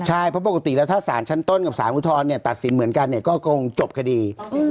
ใช่พอปกติแล้วถ้าศาลชั้นต้นกับศาลอุทธรรมตัดสินเหมือนกันก็คงจบคดี